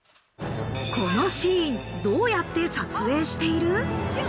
このシーン、どうやって撮影している？